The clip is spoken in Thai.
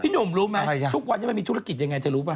หนุ่มรู้ไหมทุกวันนี้มันมีธุรกิจยังไงเธอรู้ป่